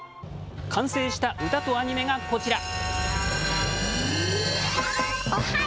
完成した歌とアニメがこちら。